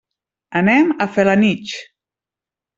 Anem a Felanitx.